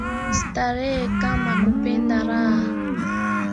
Starehe nkama kupenda raha